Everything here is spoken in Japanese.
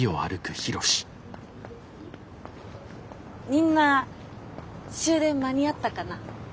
みんな終電間に合ったかな？